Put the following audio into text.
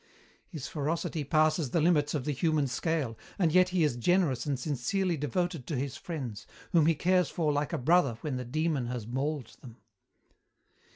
"His ferocity passes the limits of the human scale, and yet he is generous and sincerely devoted to his friends, whom he cares for like a brother when the Demon has mauled them.